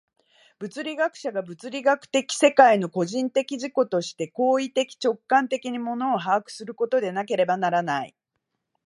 物理学者が物理学的世界の個人的自己として行為的直観的に物を把握することでなければならない。